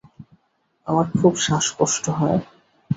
আমার খুব শ্বাস কষ্ট হয়।